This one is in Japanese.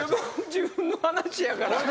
自分の話やから。